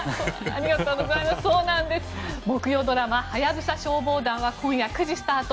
木曜ドラマ「ハヤブサ消防団」は今夜９時スタート。